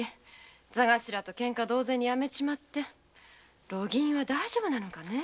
座がしらとケンカ同然にやめちまって路銀は大丈夫なのかねぇ。